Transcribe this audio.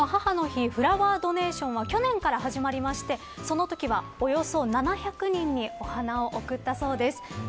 この母の日フラワードネーションは去年から始まりましてそのときは、およそ７００人にお花を贈ったそうです。